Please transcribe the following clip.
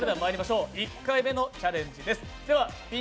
１回目のチャレンジです